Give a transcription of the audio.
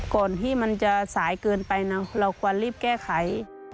ก่อนที่มันจะสายเกินไปนะเราควรรีบแก้ไข